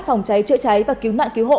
phòng cháy chữa cháy và cứu nạn cứu hộ